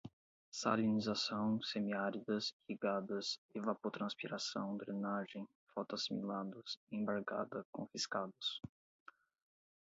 salinização, semi-áridas, irrigadas, evapotranspiração, drenagem, fotoassimilados, embargada, confiscados